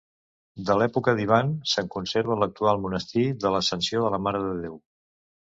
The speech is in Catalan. De l'època d'Ivan se'n conserva l'actual monestir de l'Ascensió de la Mare de Déu.